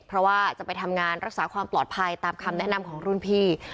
เพราะว่าจะไปทำงานรักษาความปลอดภัยตามคำแนะนำของรุ่นพี่